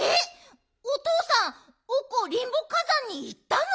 おとうさんオコ・リンボ火山にいったの？